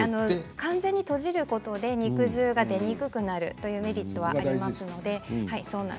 完全に閉じることで肉汁が出にくくなるというメリットがあります。